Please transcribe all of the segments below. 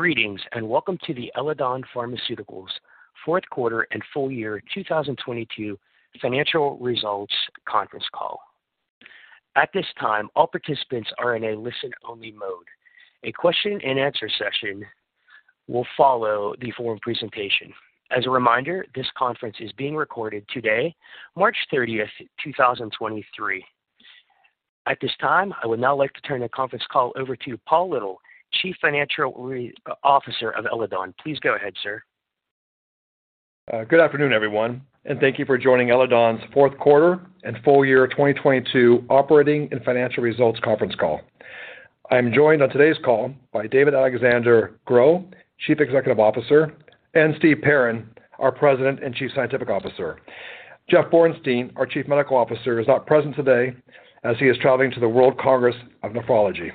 Greetings, and welcome to the Eledon Pharmaceuticals Q4 and Full Year 2022 Financial Results Conference Call. At this time, all participants are in a listen-only mode. A question and answer session will follow the forum presentation. As a reminder, this conference is being recorded today, March 30, 2023. At this time, I would now like to turn the conference call over to Paul Little, Chief Financial Officer of Eledon. Please go ahead, sir. Good afternoon, everyone, and thank you for joining Eledon's Q4 and Full Year 2022 Operating and Financial Results Conference Call. I'm joined on today's call by David-Alexandre C. Gros, Chief Executive Officer, and Steve Perrin, our President and Chief Scientific Officer. Jeff Bornstein, our Chief Medical Officer, is not present today as he is traveling to the World Congress of Nephrology.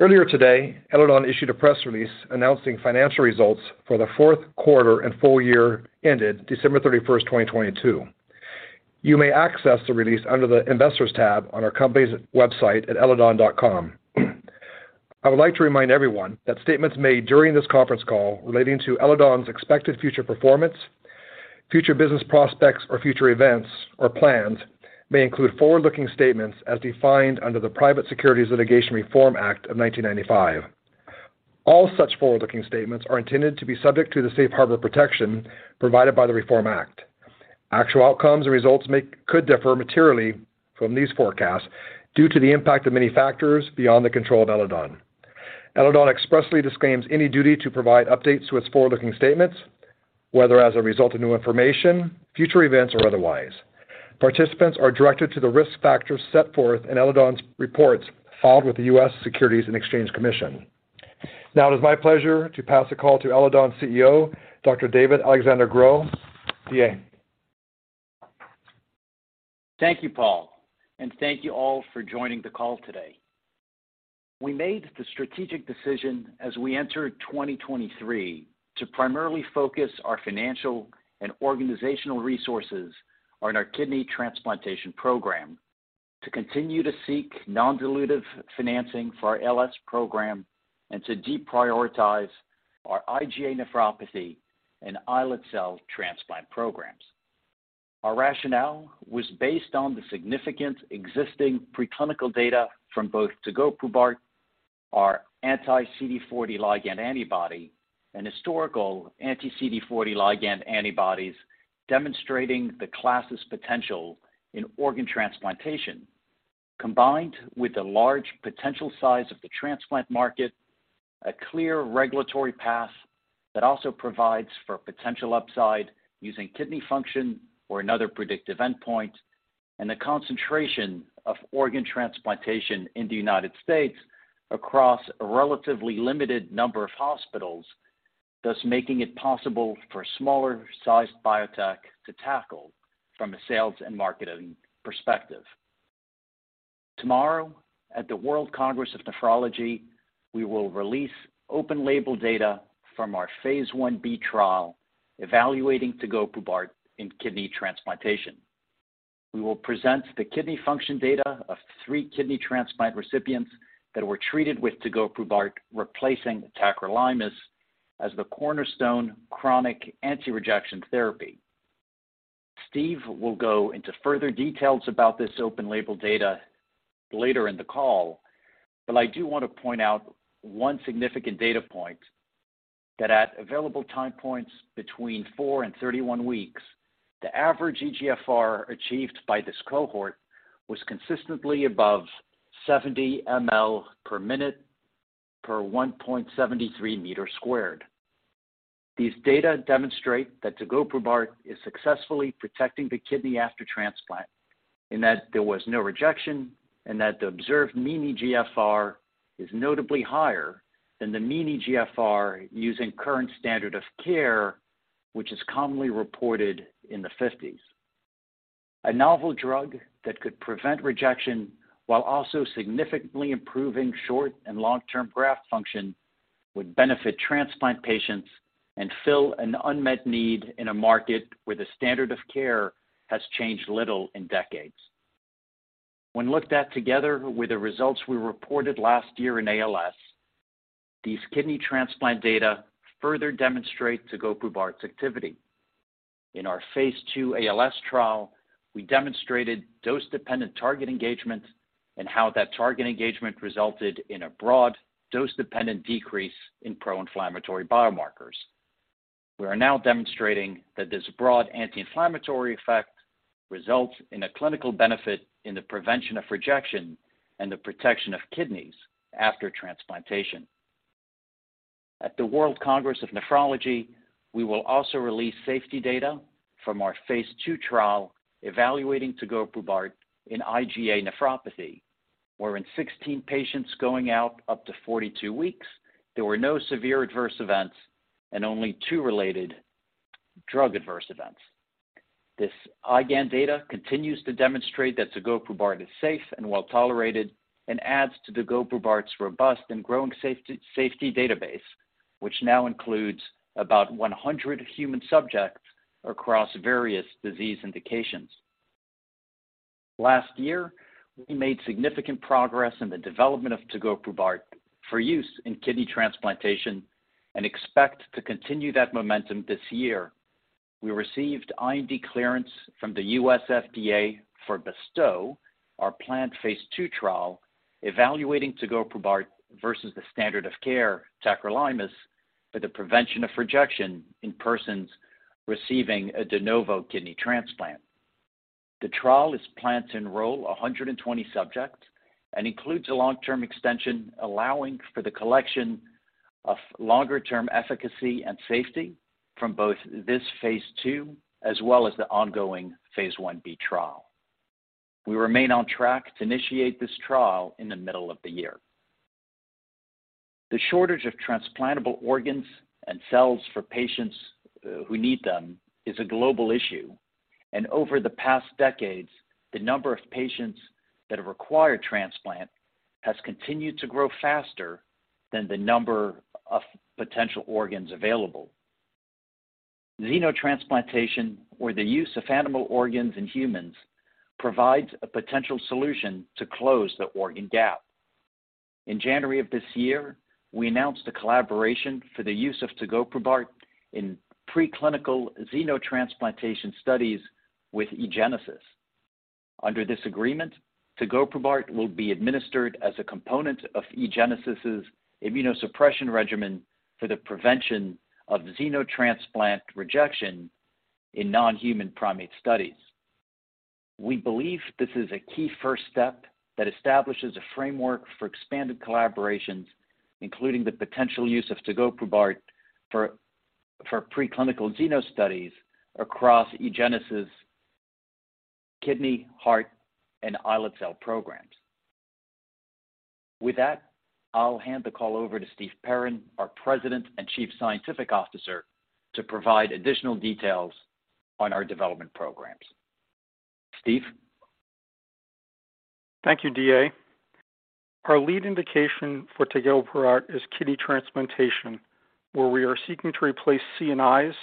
Earlier today, Eledon issued a press release announcing financial results for the Q4 and full year ended December 31, 2022. You may access the release under the Investors tab on our company's website at eledon.com. I would like to remind everyone that statements made during this conference call relating to Eledon's expected future performance, future business prospects, or future events or plans may include forward-looking statements as defined under the Private Securities Litigation Reform Act of 1995. All such forward-looking statements are intended to be subject to the safe harbor protection provided by the Reform Act. Actual outcomes and results could differ materially from these forecasts due to the impact of many factors beyond the control of Eledon. Eledon expressly disclaims any duty to provide updates to its forward-looking statements, whether as a result of new information, future events, or otherwise. Participants are directed to the risk factors set forth in Eledon's reports filed with the US Securities and Exchange Commission. It is my pleasure to pass the call to Eledon's CEO, Dr. David-Alexandre C. Gros. D.A. Thank you, Paul, and thank you all for joining the call today. We made the strategic decision as we enter 2023 to primarily focus our financial and organizational resources on our kidney transplantation program, to continue to seek non-dilutive financing for our ALS program, and to deprioritize our IgA nephropathy and islet cell transplant programs. Our rationale was based on the significant existing preclinical data from both tegoprubart, our anti-CD40 Ligand antibody, and historical anti-CD40 Ligand antibodies demonstrating the class's potential in organ transplantation, combined with the large potential size of the transplant market, a clear regulatory path that also provides for potential upside using kidney function or another predictive endpoint, and the concentration of organ transplantation in the United States across a relatively limited number of hospitals, thus making it possible for a smaller-sized biotech to tackle from a sales and marketing perspective. Tomorrow, at the World Congress of Nephrology, we will release open label data from our phase 1b trial evaluating tegoprubart in kidney transplantation. We will present the kidney function data of three kidney transplant recipients that were treated with tegoprubart, replacing tacrolimus as the cornerstone chronic anti-rejection therapy. Steve will go into further details about this open label data later in the call. I do want to point out one significant data point that at available time points between four and 31 weeks, the average EGFR achieved by this cohort was consistently above 70 mL per minute per 1.73 m². These data demonstrate that tegoprubart is successfully protecting the kidney after transplant, and that there was no rejection, and that the observed mean eGFR is notably higher than the mean eGFR using current standard of care, which is commonly reported in the 50s. A novel drug that could prevent rejection while also significantly improving short and long-term graft function would benefit transplant patients and fill an unmet need in a market where the standard of care has changed little in decades. When looked at together with the results we reported last year in ALS, these kidney transplant data further demonstrate tegoprubart's activity. In our phase II ALS trial, we demonstrated dose-dependent target engagement and how that target engagement resulted in a broad dose-dependent decrease in pro-inflammatory biomarkers. We are now demonstrating that this broad anti-inflammatory effect results in a clinical benefit in the prevention of rejection and the protection of kidneys after transplantation. At the World Congress of Nephrology, we will also release safety data from our phase II trial evaluating Tegoprubart in IgA nephropathy, wherein 16 patients going out up to 42 weeks, there were no severe adverse events and only two related drug adverse events. This IgAN data continues to demonstrate that Tegoprubart is safe and well-tolerated and adds to Tegoprubart's robust and growing safety database, which now includes about 100 human subjects across various disease indications. Last year, we made significant progress in the development of tegoprubart for use in kidney transplantation and expect to continue that momentum this year. We received IND clearance from the US FDA for BESTOW, our planned phase II trial evaluating tegoprubart versus the standard of care tacrolimus for the prevention of rejection in persons receiving a de novo kidney transplant. The trial is planned to enroll 120 subjects and includes a long-term extension allowing for the collection of longer-term efficacy and safety from both this phase II as well as the ongoing phase Ib trial. We remain on track to initiate this trial in the middle of the year. The shortage of transplantable organs and cells for patients who need them is a global issue. Over the past decades, the number of patients that require transplant has continued to grow faster than the number of potential organs available. Xenotransplantation, or the use of animal organs in humans, provides a potential solution to close the organ gap. In January of this year, we announced a collaboration for the use of tegoprubart in preclinical xenotransplantation studies with eGenesis. Under this agreement, tegoprubart will be administered as a component of eGenesis' immunosuppression regimen for the prevention of xenotransplant rejection in non-human primate studies. We believe this is a key first step that establishes a framework for expanded collaborations, including the potential use of tegoprubart for preclinical xeno studies across eGenesis' kidney, heart, and islet cell programs. With that, I'll hand the call over to Steve Perrin, our President and Chief Scientific Officer, to provide additional details on our development programs. Steve. Thank you, D.A. Our lead indication for tegoprubart is kidney transplantation, where we are seeking to replace CNIs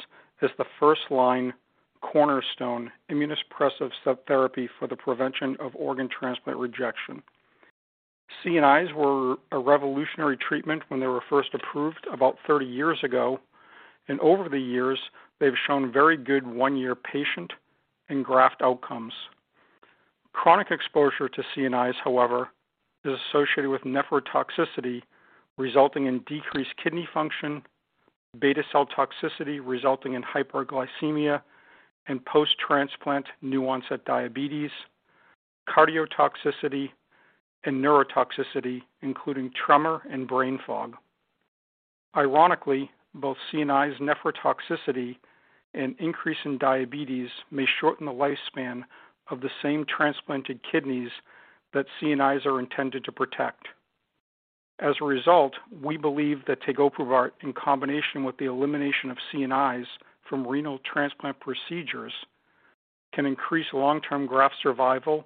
as the first-line cornerstone immunosuppressive therapy for the prevention of organ transplant rejection. CNIs were a revolutionary treatment when they were first approved about 30 years ago, and over the years, they've shown very good 1-year patient and graft outcomes. Chronic exposure to CNIs, however, is associated with nephrotoxicity, resulting in decreased kidney function, beta cell toxicity resulting in hyperglycemia and post-transplant new onset diabetes, cardiotoxicity, and neurotoxicity, including tremor and brain fog. Ironically, both CNIs' nephrotoxicity and increase in diabetes may shorten the lifespan of the same transplanted kidneys that CNIs are intended to protect. As a result, we believe that tegoprubart, in combination with the elimination of CNIs from renal transplant procedures, can increase long-term graft survival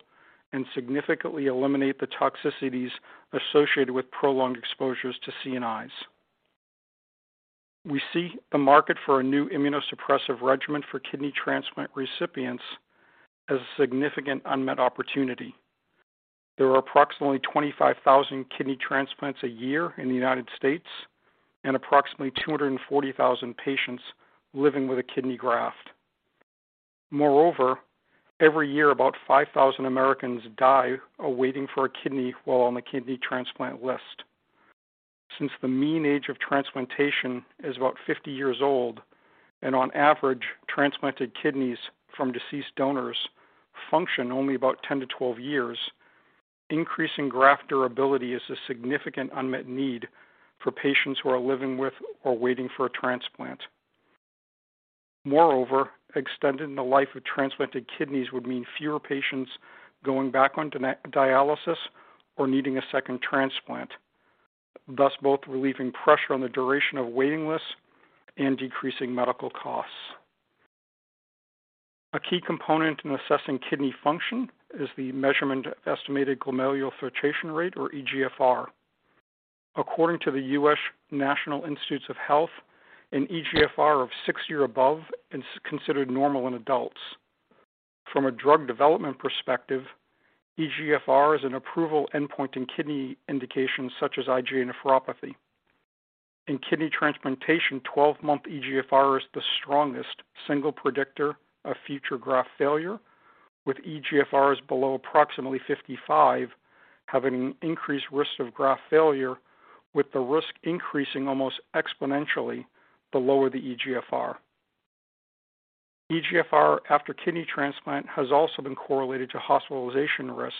and significantly eliminate the toxicities associated with prolonged exposures to CNIs. We see the market for a new immunosuppressive regimen for kidney transplant recipients as a significant unmet opportunity. There are approximately 25,000 kidney transplants a year in the United States and approximately 240,000 patients living with a kidney graft. Moreover, every year, about 5,000 Americans die awaiting for a kidney while on the kidney transplant list. Since the mean age of transplantation is about 50 years old and on average, transplanted kidneys from deceased donors function only about 10-12 years, increasing graft durability is a significant unmet need for patients who are living with or waiting for a transplant. Moreover, extending the life of transplanted kidneys would mean fewer patients going back on dialysis or needing a second transplant, thus both relieving pressure on the duration of waiting lists and decreasing medical costs. A key component in assessing kidney function is the measurement estimated glomerular filtration rate or eGFR. According to the US National Institutes of Health, an eGFR of 60 or above is considered normal in adults. From a drug development perspective, eGFR is an approval endpoint in kidney indications such as IgAN. In kidney transplantation, 12-month eGFR is the strongest single predictor of future graft failure, with eGFRs below approximately 55 having an increased risk of graft failure, with the risk increasing almost exponentially the lower the eGFR. eGFR after kidney transplant has also been correlated to hospitalization risk,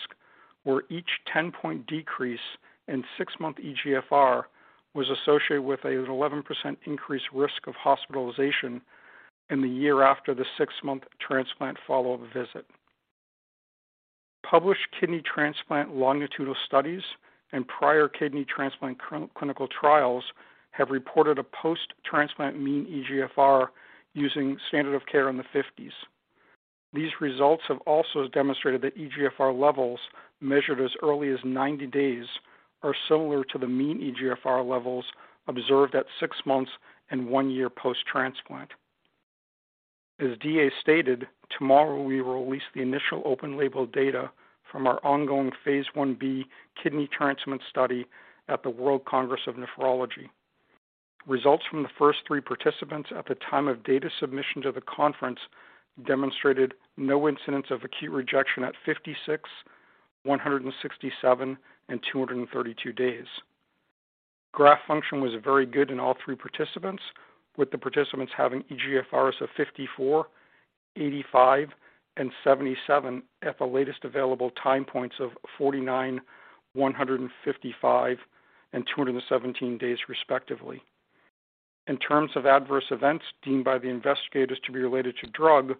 where each 10-point decrease in 6-month eGFR was associated with an 11% increased risk of hospitalization in the year after the 6-month transplant follow-up visit. Published kidney transplant longitudinal studies and prior kidney transplant clinical trials have reported a post-transplant mean eGFR using standard of care in the 50s. These results have also demonstrated that eGFR levels measured as early as 90 days are similar to the mean eGFR levels observed at six months and one year post-transplant. As D.A. stated, tomorrow we will release the initial open label data from our ongoing phase 1b kidney transplant study at the World Congress of Nephrology. Results from the first three participants at the time of data submission to the conference demonstrated no incidents of acute rejection at 56, 167, and 232 days. Graft function was very good in all three participants, with the participants having eGFRs of 54, 85, and 77 at the latest available time points of 49, 155, and 217 days respectively. In terms of adverse events deemed by the investigators to be related to drug,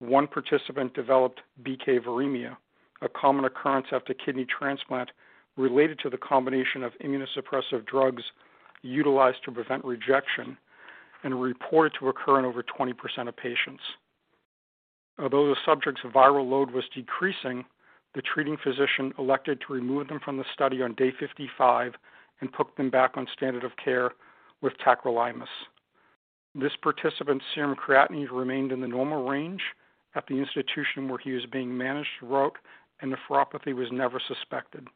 one participant developed BK viremia, a common occurrence after kidney transplant related to the combination of immunosuppressive drugs utilized to prevent rejection and reported to occur in over 20% of patients. Although the subject's viral load was decreasing, the treating physician elected to remove them from the study on day 55 and put them back on standard of care with tacrolimus. This participant's serum creatinine remained in the normal range at the institution where he was being managed throughout, and nephropathy was never suspected.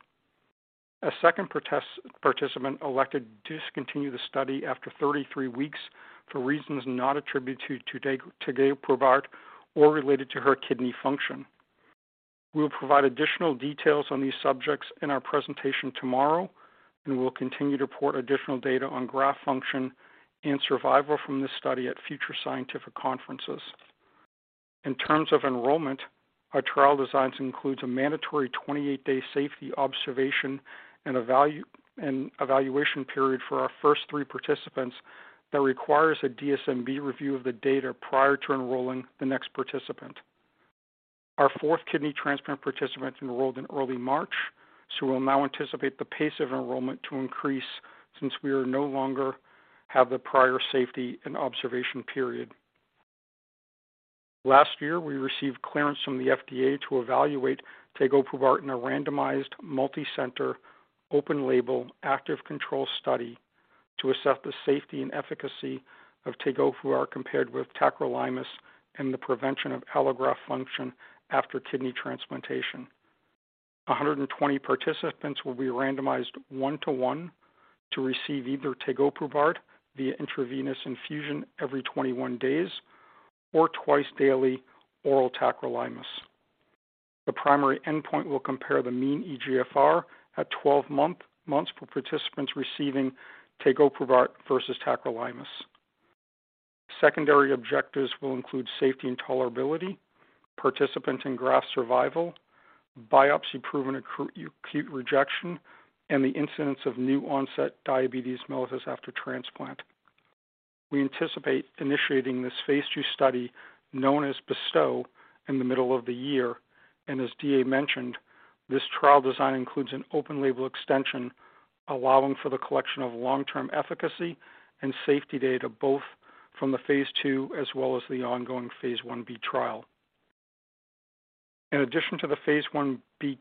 A second participant elected to discontinue the study after 33 weeks for reasons not attributed to tegoprubart or related to her kidney function. We'll provide additional details on these subjects in our presentation tomorrow, and we will continue to report additional data on graft function and survival from this study at future scientific conferences. In terms of enrollment, our trial designs includes a mandatory 28-day safety observation and evaluation period for our first three participants that requires a DSMB review of the data prior to enrolling the next participant. Our fourth kidney transplant participant enrolled in early March. We'll now anticipate the pace of enrollment to increase since we are no longer have the prior safety and observation period. Last year, we received clearance from the FDA to evaluate tegoprubart in a randomized multicenter open label active control study to assess the safety and efficacy of tegoprubart compared with tacrolimus and the prevention of allograft function after kidney transplantation. 120 participants will be randomized 1 to 1 to receive either tegoprubart via intravenous infusion every 21 days or twice-daily oral tacrolimus. The primary endpoint will compare the mean eGFR at 12 months for participants receiving tegoprubart versus tacrolimus. Secondary objectives will include safety and tolerability, participant and graft survival, biopsy proven acute rejection, and the incidence of new onset diabetes mellitus after transplant. We anticipate initiating this phase II study known as BESTOW in the middle of the year. As DA mentioned, this trial design includes an open label extension allowing for the collection of long-term efficacy and safety data, both from the phase II as well as the ongoing phase 1b trial. In addition to the phase 1b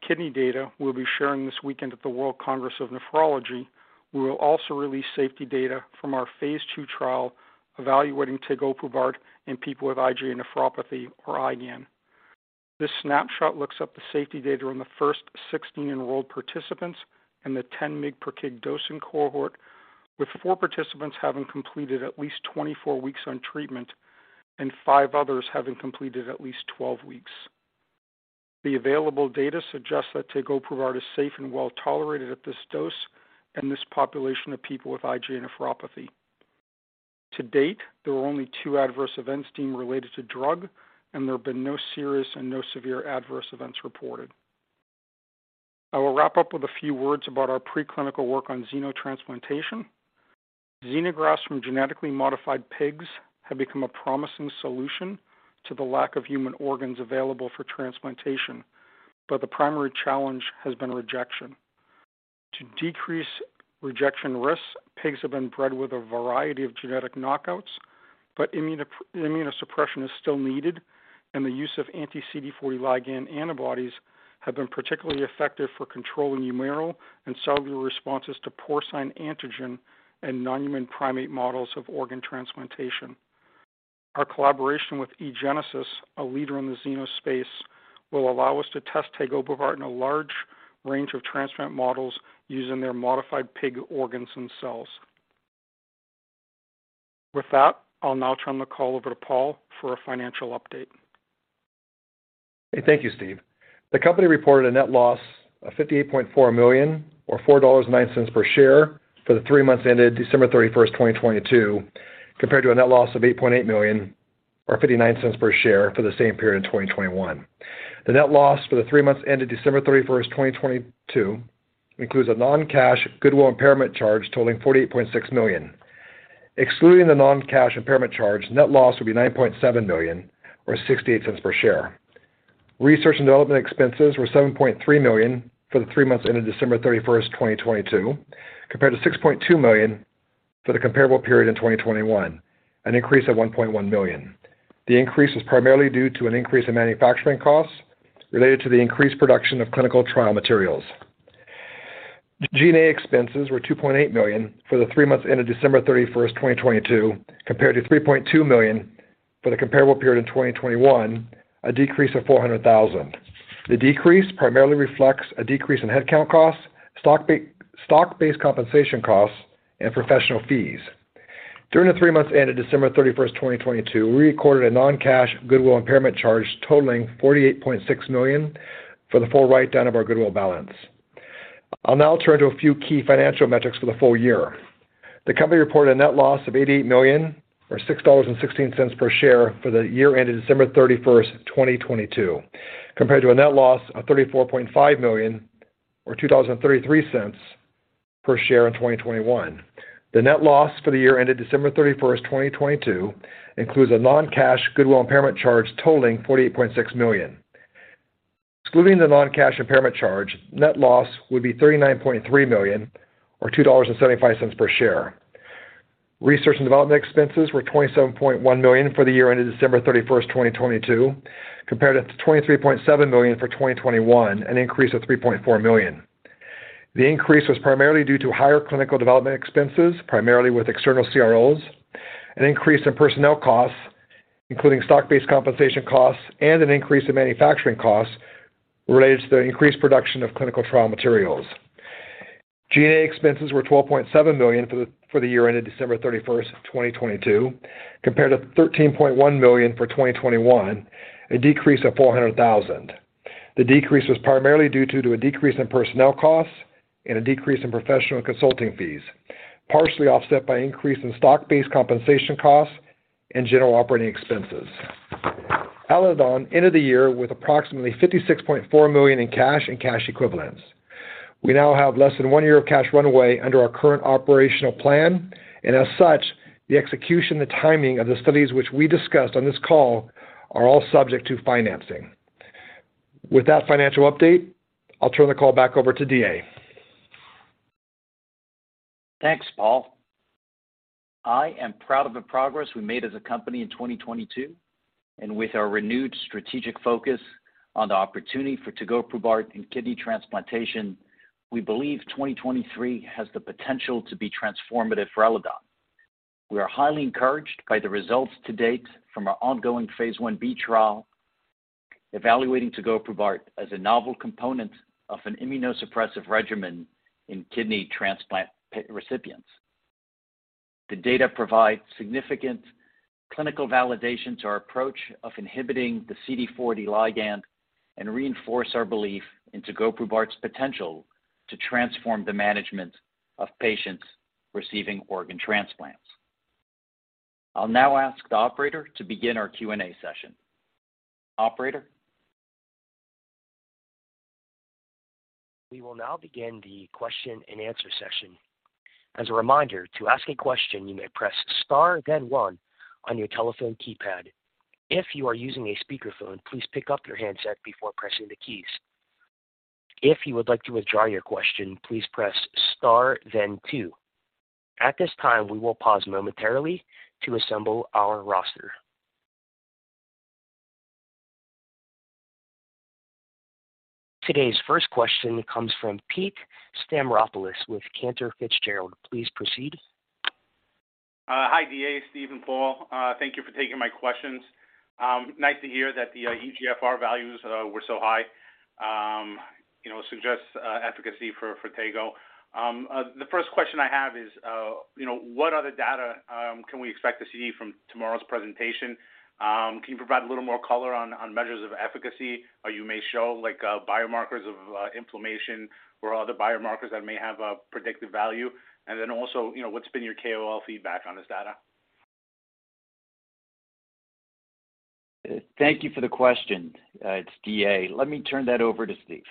kidney data we'll be sharing this weekend at the World Congress of Nephrology, we will also release safety data from our phase II trial evaluating tegoprubart in people with IgA nephropathy or IgAN. This snapshot looks up the safety data on the first 16 enrolled participants in the 10 mg per kg dosing cohort, with four participants having completed at least 24 weeks on treatment and five others having completed at least 12 weeks. The available data suggests that tegoprubart is safe and well-tolerated at this dose in this population of people with IgA nephropathy. To date, there are only 2 adverse events deemed related to drug, and there have been no serious and no severe adverse events reported. I will wrap up with a few words about our preclinical work on xenotransplantation. Xenografts from genetically modified pigs have become a promising solution to the lack of human organs available for transplantation, but the primary challenge has been rejection. To decrease rejection risks, pigs have been bred with a variety of genetic knockouts, but immunosuppression is still needed, and the use of anti-CD40 Ligand antibodies have been particularly effective for controlling humoral and cellular responses to porcine antigen in non-human primate models of organ transplantation. Our collaboration with eGenesis, a leader in the xeno space, will allow us to test tegoprubart in a large range of transplant models using their modified pig organs and cells. With that, I'll now turn the call over to Paul for a financial update. Thank you, Steve. The company reported a net loss of $58.4 million or $4.09 per share for the three months ended December 31, 2022, compared to a net loss of $8.8 million or $0.59 per share for the same period in 2021. The net loss for the three months ended December 31, 2022, includes a non-cash goodwill impairment charge totaling $48.6 million. Excluding the non-cash impairment charge, net loss would be $9.7 million or $0.68 per share. Research and development expenses were $7.3 million for the three months ended December 31, 2022, compared to $6.2 million for the comparable period in 2021, an increase of $1.1 million. The increase was primarily due to an increase in manufacturing costs related to the increased production of clinical trial materials. G&A expenses were $2.8 million for the three months ended December 31, 2022, compared to $3.2 million for the comparable period in 2021, a decrease of $400,000. The decrease primarily reflects a decrease in headcount costs, stock-based compensation costs and professional fees. During the three months ended December 31, 2022, we recorded a non-cash goodwill impairment charge totaling $48.6 million for the full write-down of our goodwill balance. I'll now turn to a few key financial metrics for the full year. The company reported a net loss of $88 million or $6.16 per share for the year ended December 31, 2022, compared to a net loss of $34.5 million or $2.33 per share in 2021. The net loss for the year ended December 31, 2022, includes a non-cash goodwill impairment charge totaling $48.6 million. Excluding the non-cash impairment charge, net loss would be $39.3 million or $2.75 per share. Research and development expenses were $27.1 million for the year ended December 31, 2022, compared to $23.7 million for 2021, an increase of $3.4 million. The increase was primarily due to higher clinical development expenses, primarily with external CROs, an increase in personnel costs, including stock-based compensation costs, and an increase in manufacturing costs related to the increased production of clinical trial materials. G&A expenses were $12.7 million for the year ended December 31st, 2022, compared to $13.1 million for 2021, a decrease of $400,000. The decrease was primarily due to a decrease in personnel costs and a decrease in professional consulting fees, partially offset by increase in stock-based compensation costs and general operating expenses. Eledon ended the year with approximately $56.4 million in cash and cash equivalents. We now have less than one year of cash runway under our current operational plan. As such, the execution and timing of the studies which we discussed on this call are all subject to financing. With that financial update, I'll turn the call back over to DA. Thanks, Paul. I am proud of the progress we made as a company in 2022. With our renewed strategic focus on the opportunity for tegoprubart in kidney transplantation, we believe 2023 has the potential to be transformative for Eledon. We are highly encouraged by the results to date from our ongoing phase 1b trial evaluating tegoprubart as a novel component of an immunosuppressive regimen in kidney transplant recipients. The data provide significant clinical validation to our approach of inhibiting the CD40 ligand and reinforce our belief in tegoprubart's potential to transform the management of patients receiving organ transplants. I'll now ask the operator to begin our Q&A session. Operator? We will now begin the question-and-answer session. As a reminder, to ask a question, you may press star then one on your telephone keypad. If you are using a speakerphone, please pick up your handset before pressing the keys. If you would like to withdraw your question, please press star then two. At this time, we will pause momentarily to assemble our roster. Today's first question comes from Pete Stavropoulos with Cantor Fitzgerald. Please proceed. Hi, DA, Steve, and Paul. Thank you for taking my questions. Nice to hear that the eGFR values were so high. You know, suggests efficacy for Tego. The first question I have is, you know, what other data can we expect to see from tomorrow's presentation? Can you provide a little more color on measures of efficacy, or you may show like biomarkers of inflammation or other biomarkers that may have a predictive value? Then also, you know, what's been your KOL feedback on this data? Thank you for the question. It's DA. Let me turn that over to Steve.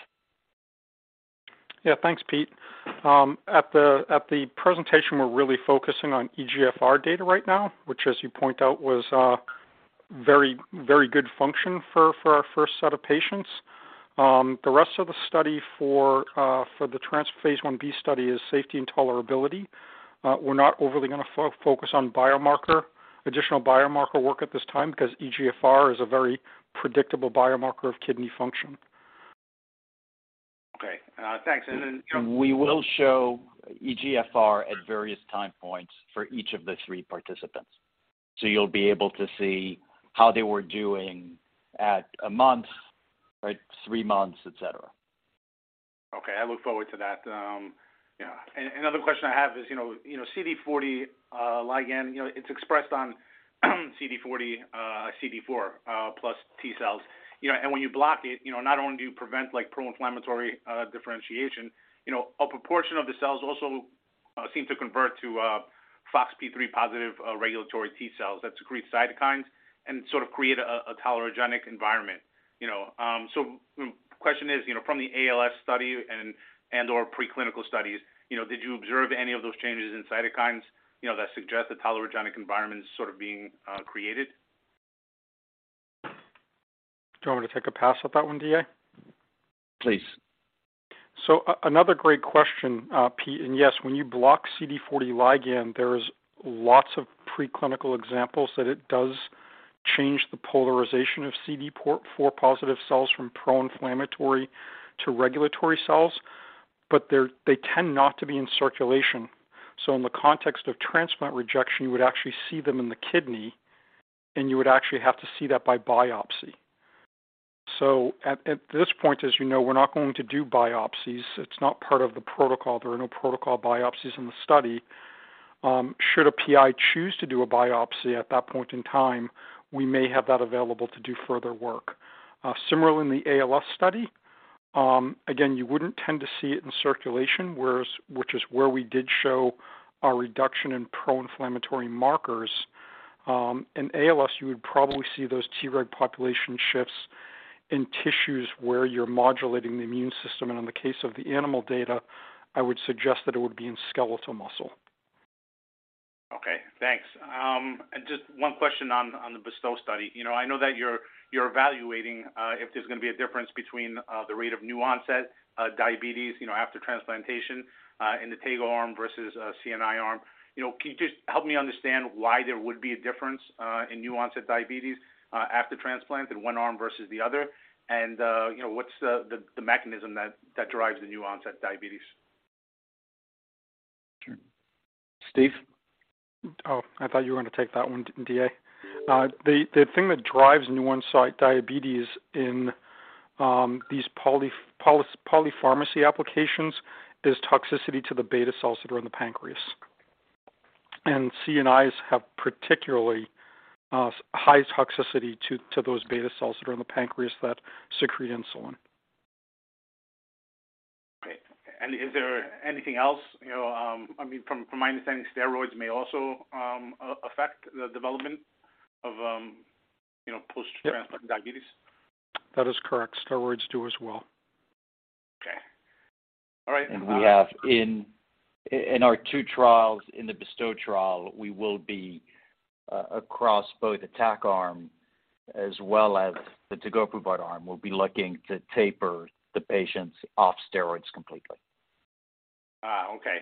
Yeah, thanks, Pete. At the presentation, we're really focusing on eGFR data right now, which, as you point out, was very, very good function for our first set of patients. The rest of the study for the trans phase 1b study is safety and tolerability. We're not overly gonna focus on biomarker, additional biomarker work at this time because eGFR is a very predictable biomarker of kidney function. Okay. thanks. We will show eGFR at various time points for each of the three participants. You'll be able to see how they were doing at a month or three months, et cetera. Okay. I look forward to that. Yeah. Another question I have is, you know, CD40 ligand, you know, it's expressed on CD40, CD4+ T cells, you know. When you block it, you know, not only do you prevent like pro-inflammatory differentiation, you know, a proportion of the cells also seem to convert to FOXP3 positive regulatory T cells that secrete cytokines and sort of create a tolerogenic environment, you know. The question is, you know, from the ALS study and/or preclinical studies, you know, did you observe any of those changes in cytokines, you know, that suggest the tolerogenic environment is sort of being created? Do you want me to take a pass at that one, DA? Please. Another great question, Pete, and yes, when you block CD40 ligand, there's lots of preclinical examples that it does. Change the polarization of CD4-positive cells from pro-inflammatory to regulatory cells, but they tend not to be in circulation. In the context of transplant rejection, you would actually see them in the kidney, and you would actually have to see that by biopsy. At this point, as you know, we're not going to do biopsies. It's not part of the protocol. There are no protocol biopsies in the study. Should a PI choose to do a biopsy at that point in time, we may have that available to do further work. Similarly in the ALS study, again, you wouldn't tend to see it in circulation, whereas which is where we did show a reduction in pro-inflammatory markers. In ALS, you would probably see those Treg population shifts in tissues where you're modulating the immune system. In the case of the animal data, I would suggest that it would be in skeletal muscle. Okay, thanks. Just one question on the BESTOW study. You know, I know that you're evaluating if there's gonna be a difference between the rate of new-onset diabetes, you know, after transplantation, in the tegoprubart arm versus CNI arm. You know, can you just help me understand why there would be a difference in new-onset diabetes after transplant in one arm versus the other? You know, what's the mechanism that drives the new-onset diabetes? Sure. Steve? I thought you were gonna take that one, DA. The thing that drives new-onset diabetes in these polypharmacy applications is toxicity to the beta cells that are in the pancreas. CNIs have particularly high toxicity to those beta cells that are in the pancreas that secrete insulin. Okay. Is there anything else, you know, I mean, from my understanding, steroids may also, affect the development of, you know, post-transplant diabetes? That is correct. Steroids do as well. Okay. All right. We have in our 2 trials, in the BESTOW trial, we will be across both tacrolimus arm as well as the tegoprubart arm. We'll be looking to taper the patients off steroids completely. Okay.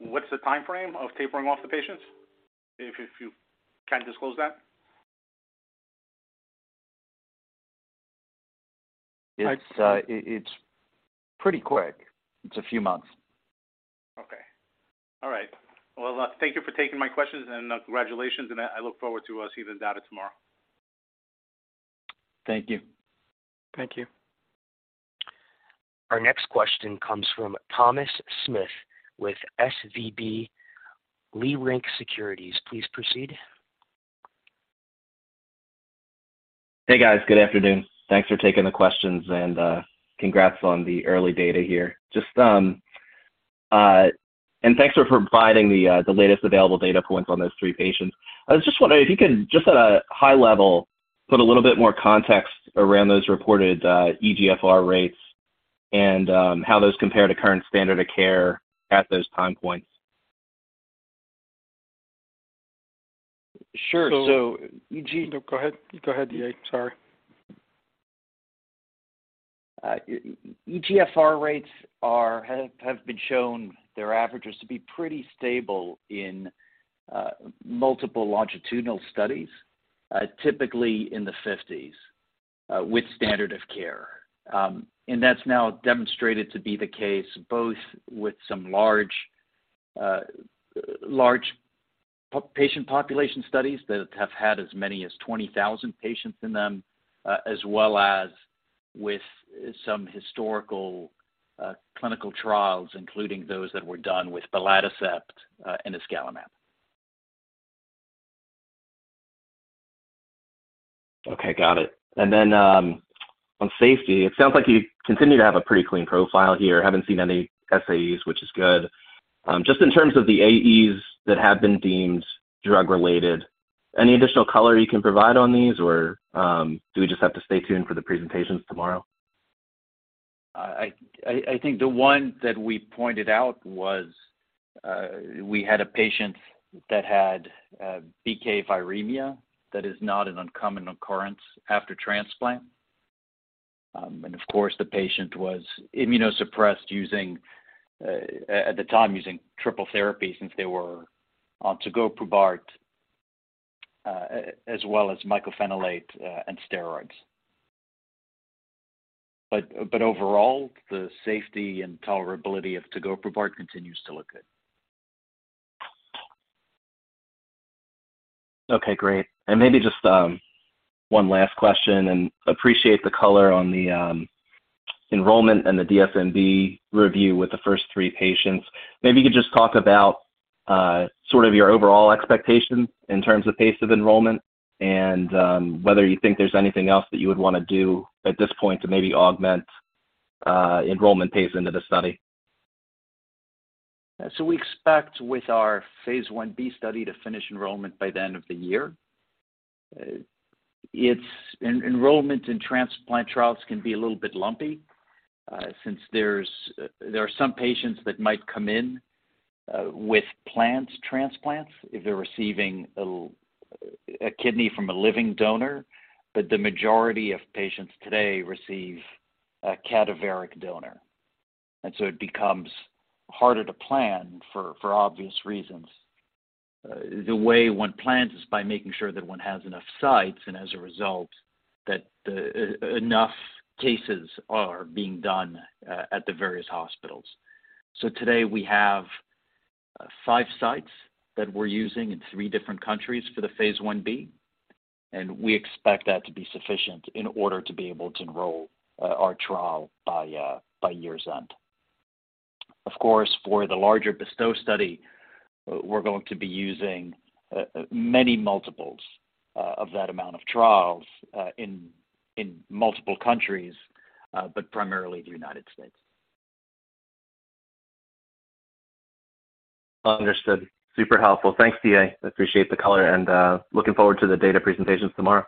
What's the timeframe of tapering off the patients, if you can disclose that? It's pretty quick. It's a few months. Okay. All right. Well, thank you for taking my questions, and, congratulations, and I look forward to seeing the data tomorrow. Thank you. Thank you. Our next question comes from Thomas Smith with SVB Leerink Securities. Please proceed. Hey, guys. Good afternoon. Thanks for taking the questions, congrats on the early data here. Just thanks for providing the latest available data points on those three patients. I was just wondering if you could just at a high level put a little bit more context around those reported eGFR rates and how those compare to current standard of care at those time points. Sure. No, go ahead. Go ahead, DA. Sorry. eGFR rates have been shown their averages to be pretty stable in multiple longitudinal studies, typically in the 50s, with standard of care. That's now demonstrated to be the case both with some large patient population studies that have had as many as 20,000 patients in them, as well as with some historical clinical trials, including those that were done with belatacept and iscalimab. Okay. Got it. Then, on safety, it sounds like you continue to have a pretty clean profile here. Haven't seen any SAEs, which is good. Just in terms of the AEs that have been deemed drug-related, any additional color you can provide on these or, do we just have to stay tuned for the presentations tomorrow? I think the one that we pointed out was, we had a patient that had BK viremia. That is not an uncommon occurrence after transplant. Of course, the patient was immunosuppressed using at the time using triple therapy since they were on tegoprubart, as well as mycophenolate, and steroids. Overall, the safety and tolerability of tegoprubart continues to look good. Okay. Great. Maybe just, one last question and appreciate the color on the enrollment and the DSMB review with the first three patients. Maybe you could just talk about, sort of your overall expectations in terms of pace of enrollment and, whether you think there's anything else that you would wanna do at this point to maybe augment enrollment pace into the study. We expect with our phase 1b study to finish enrollment by the end of the year. Enrollment in transplant trials can be a little bit lumpy, since there's, there are some patients that might come in with plans transplants if they're receiving a kidney from a living donor. The majority of patients today receive a cadaveric donor. It becomes harder to plan for obvious reasons. The way one plans is by making sure that one has enough sites, and as a result, that the enough cases are being done at the various hospitals. Today we have 5 sites that we're using in 3 different countries for the phase 1b, and we expect that to be sufficient in order to be able to enroll our trial by year's end. Of course, for the larger BESTOW study, we're going to be using many multiples of that amount of trials in multiple countries, but primarily the United States. Understood. Super helpful. Thanks, DA. Appreciate the color and looking forward to the data presentations tomorrow.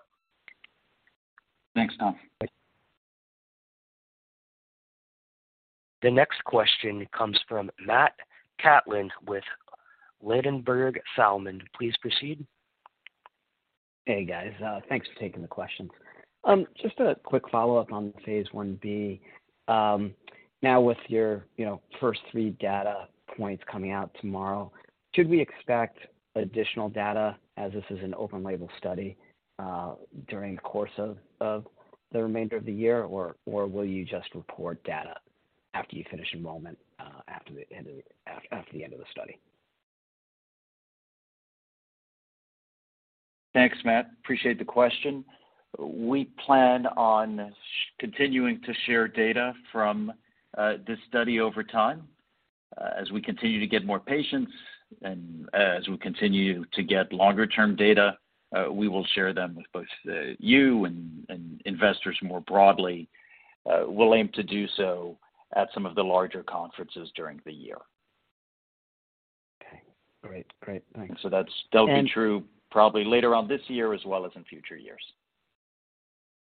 Thanks, Tom. The next question comes from Matt Kaplan with Ladenburg Thalmann. Please proceed. Hey, guys. Thanks for taking the questions. Just a quick follow-up on phase 1b. Now with your, you know, first three data points coming out tomorrow, should we expect additional data as this is an open label study, during the course of the remainder of the year or will you just report data after you finish enrollment, after the end of the study? Thanks, Matt. Appreciate the question. We plan on continuing to share data from this study over time. As we continue to get more patients and as we continue to get longer-term data, we will share them with both you and investors more broadly. We'll aim to do so at some of the larger conferences during the year. Okay. Great. Thanks. That'll be true probably later on this year as well as in future years.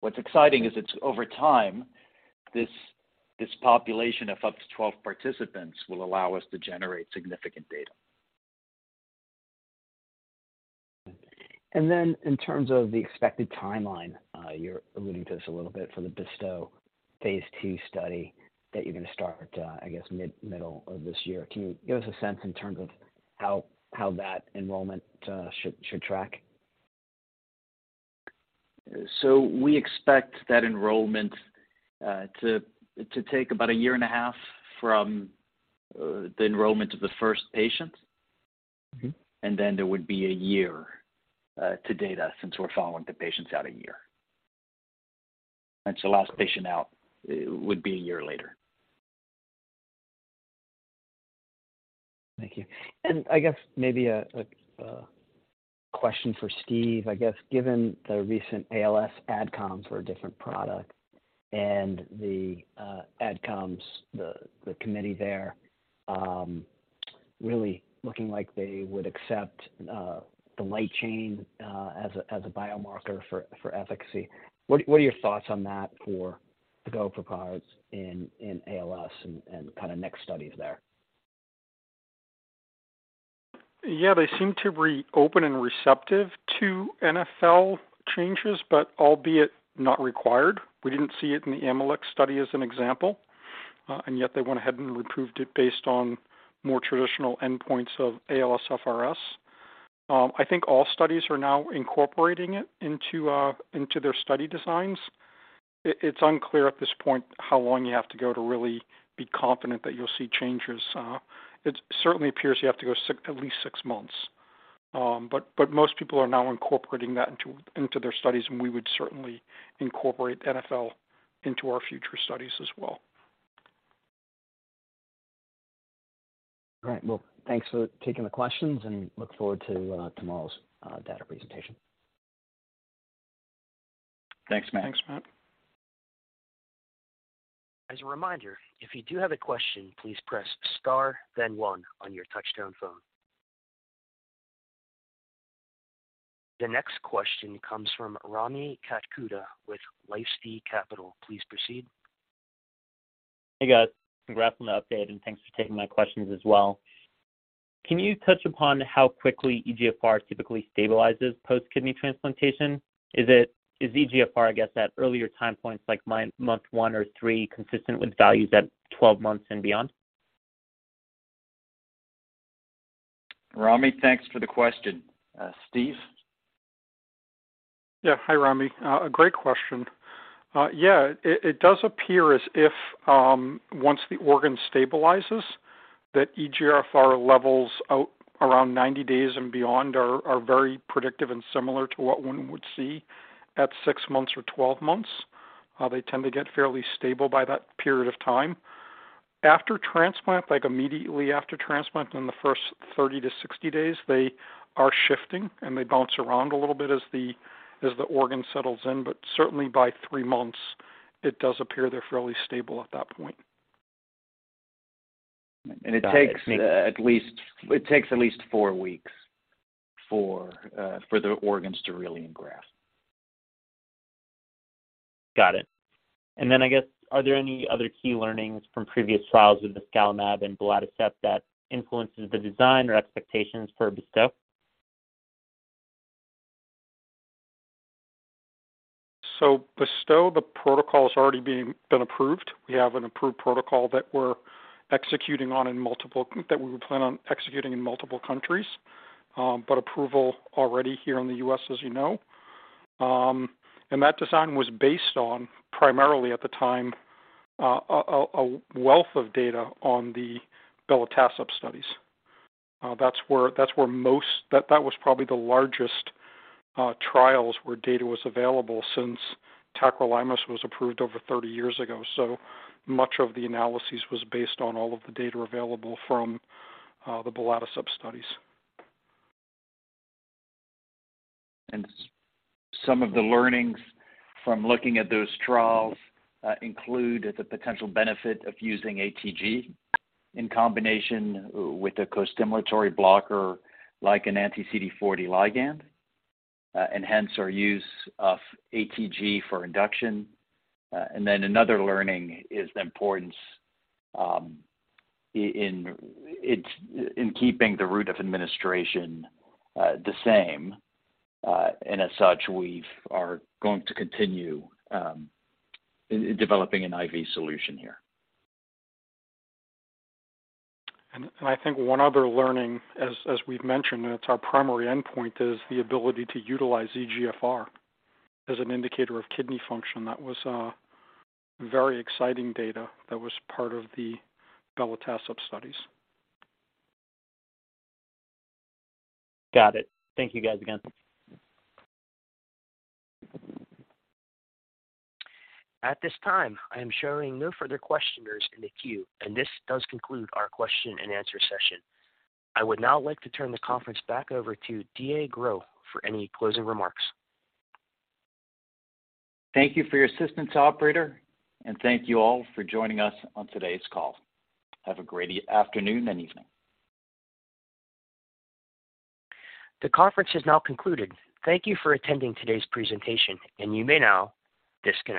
What's exciting is it's over time, this population of up to 12 participants will allow us to generate significant data. In terms of the expected timeline, you're alluding to this a little bit for the BESTOW phase II study that you're gonna start, I guess, middle of this year. Can you give us a sense in terms of how that enrollment should track? We expect that enrollment to take about a year and a half from the enrollment of the first patient. Mm-hmm. There would be a year to data since we're following the patients out a year. Last patient out would be a year later. Thank you. I guess maybe a question for Steve. I guess given the recent ALS AdCom for a different product and the AdComs, the committee there, really looking like they would accept the light chain as a biomarker for efficacy. What are your thoughts on that for the go-for-cards in ALS and kind of next studies there? Yeah, they seem to be open and receptive to NFL changes, but albeit not required. We didn't see it in the AMYX study as an example, yet they went ahead and approved it based on more traditional endpoints of ALSFRS. I think all studies are now incorporating it into their study designs. It's unclear at this point how long you have to go to really be confident that you'll see changes. It certainly appears you have to go at least six months. Most people are now incorporating that into their studies, we would certainly incorporate NFL into our future studies as well. Great. Thanks for taking the questions and look forward to tomorrow's data presentation. Thanks, Matt. Thanks, Matt. As a reminder, if you do have a question, please press star then one on your touchtone phone. The next question comes from Rami Katkhuda with LifeSci Capital. Please proceed. Hey, guys. Congrats on the update, and thanks for taking my questions as well. Can you touch upon how quickly eGFR typically stabilizes post-kidney transplantation? Is eGFR, I guess, at earlier time points like mine, month one or three, consistent with values at 12 months and beyond? Rami, thanks for the question. Steve? Yeah. Hi, Rami. A great question. Yeah, it does appear as if once the organ stabilizes, that eGFR levels out around 90 days and beyond are very predictive and similar to what one would see at six months or 12 months. They tend to get fairly stable by that period of time. After transplant, like immediately after transplant in the first 30 to 60 days, they are shifting, and they bounce around a little bit as the organ settles in. Certainly by three months, it does appear they're fairly stable at that point. It takes at least four weeks for the organs to really engraft. Got it. I guess, are there any other key learnings from previous trials with iscalimab and belatacept that influences the design or expectations for BESTOW? BESTOW, the protocol's already been approved. We have an approved protocol that we would plan on executing in multiple countries, but approval already here in the U.S., as you know. That design was based on primarily at the time, a wealth of data on the belatacept studies. That was probably the largest trials where data was available since tacrolimus was approved over 30 years ago. Much of the analyses was based on all of the data available from the belatacept studies. Some of the learnings from looking at those trials, include the potential benefit of using ATG in combination with a costimulatory blocker like an anti-CD40 Ligand, and hence our use of ATG for induction. Another learning is the importance, in keeping the route of administration, the same. As such, we are going to continue developing an IV solution here. I think one other learning as we've mentioned, and it's our primary endpoint, is the ability to utilize eGFR as an indicator of kidney function. That was very exciting data that was part of the belatacept studies. Got it. Thank you guys again. At this time, I am showing no further questioners in the queue. This does conclude our question-and-answer session. I would now like to turn the conference back over to D.A. Gros for any closing remarks. Thank you for your assistance, operator, and thank you all for joining us on today's call. Have a great e-afternoon and evening. The conference has now concluded. Thank you for attending today's presentation. You may now disconnect.